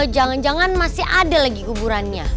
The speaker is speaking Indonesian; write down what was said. jangan jangan masih ada lagi kuburannya